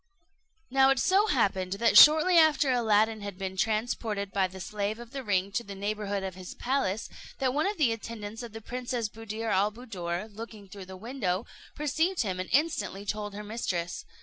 Now it so happened that shortly after Aladdin had been transported by the slave of the ring to the neighbourhood of his palace, that one of the attendants of the Princess Buddir al Buddoor, looking through the window, perceived him and instantly told her mistress.